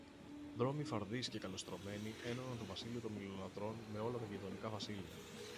δρόμοι φαρδείς και καλοστρωμένοι ένωναν το βασίλειο των Μοιρολάτρων με όλα τα γειτονικά βασίλεια.